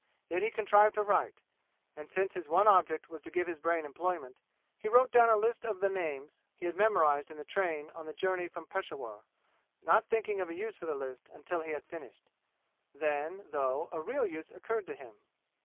Yet he contrived to write, and since his one object was to give his brain employment, he wrote down a list of the names he had memorized in the train on the journey from Peshawur, not thinking of a use for the list until he had finished. Then, though, a real use occurred to him.